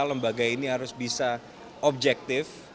lembaga ini harus bisa objektif